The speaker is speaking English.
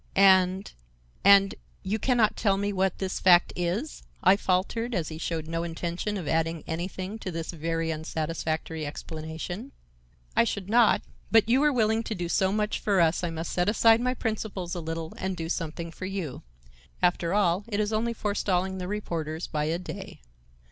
"And—and—you can not tell me what this fact is?" I faltered as he showed no intention of adding anything to this very unsatisfactory explanation. "I should not, but you were willing to do so much for us I must set aside my principles a little and do something for you. After all, it is only forestalling the reporters by a day.